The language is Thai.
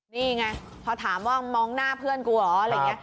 นี่ไงพอถามว่ามองหน้าเพื่อนกูเหรอ